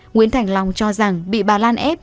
nguyễn thành long cho rằng bị bà lan ép